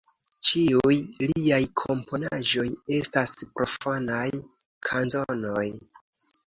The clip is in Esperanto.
Ĉiuj liaj komponaĵoj estas profanaj kanzonoj.